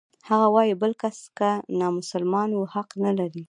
هغه وايي بل کس که نامسلمان و حق نلري.